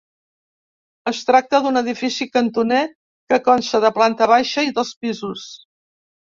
Es tracta d'un edifici cantoner que consta de planta baixa i dos pisos.